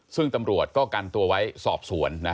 ซึ่งตำรวจก็กันตัวไว้สอบสวน